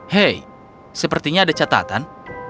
hei sepertinya ada catatan